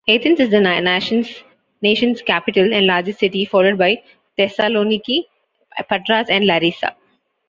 Athens is the nation's capital and largest city, followed by Thessaloniki, Patras and Larissa.